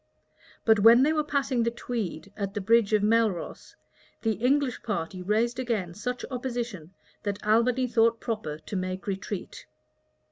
But when they were passing the Tweed at the bridge of Melross, the English party raised again such opposition, that Albany thought proper to make a retreat.